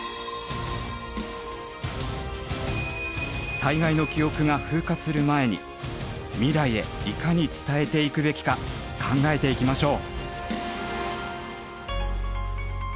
災害の記憶が風化する前に未来へいかに伝えていくべきか考えていきましょう。